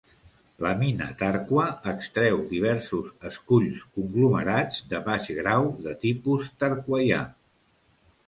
La mina Tarkwa extreu diversos "esculls" conglomerats de baix grau de tipus tarkwaià.